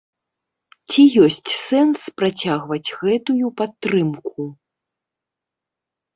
Ці ёсць сэнс працягваць гэтую падтрымку?